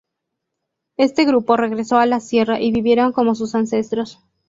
Este grupo regresó a la sierra y vivieron como sus ancestros.